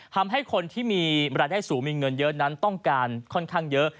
ทำให้คนที่มีรายได้สูงมีเงินเยอะนั้นต้องการค่อนข้างเยอะ